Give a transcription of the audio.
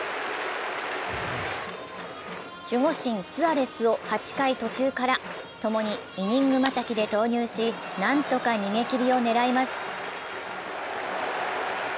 守護神・スアレスを８回途中からともにイニングまたぎで投入し、なんとか逃げきりを狙います。